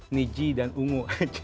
ini ji dan ungu